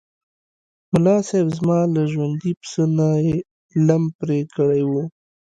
ملاصاحب! زما له ژوندي پسه نه یې لم پرې کړی و.